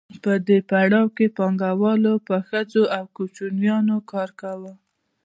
په دې پړاو کې پانګوالو په ښځو او کوچنیانو کار کاوه